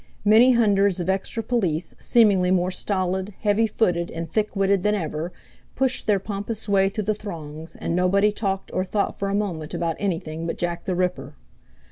Many hundreds of extra police, seemingly more stolid, heavy footed, and thick witted than ever, pushed their pompous way through the throngs, and nobody talked or thought for a moment about anything but Jack the Ripper.